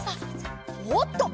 おっと！